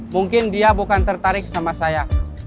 mungkin dia bukan tertarik sama saya